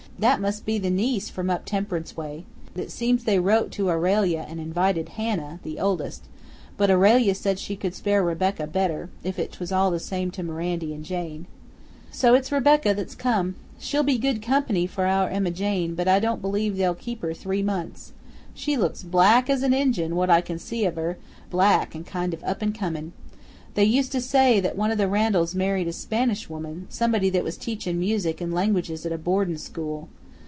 "That must be the niece from up Temperance way. It seems they wrote to Aurelia and invited Hannah, the oldest, but Aurelia said she could spare Rebecca better, if 't was all the same to Mirandy 'n' Jane; so it's Rebecca that's come. She'll be good comp'ny for our Emma Jane, but I don't believe they'll keep her three months! She looks black as an Injun what I can see of her; black and kind of up an comin'. They used to say that one o' the Randalls married a Spanish woman, somebody that was teachin' music and languages at a boardin' school.